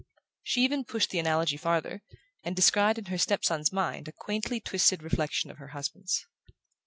She even pushed the analogy farther, and descried in her step son's mind a quaintly twisted reflection of her husband's.